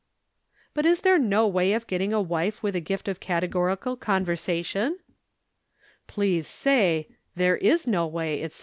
"But is there no way of getting a wife with a gift of categorical conversation?" "Please say, 'There is no way, etc.